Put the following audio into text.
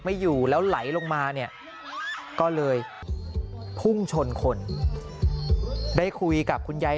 ไม่อยู่แล้วไหลลงมาเนี่ยก็เลยพุ่งชนคนได้คุยกับคุณยาย